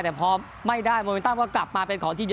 แต่พอไม่ได้โมเมนตัมก็กลับมาเป็นของทีมเย